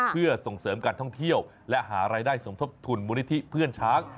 เพื่อส่งเสริมการท่องเที่ยวและหารายได้สมทบทุนมูลนิธิเพื่อนช้าง